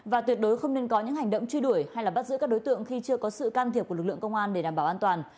và tuyệt đối không nên có những hành động truy đuổi hay bắt giữ các đối tượng khi chưa có sự can thiệp của lực lượng công an để đảm bảo an toàn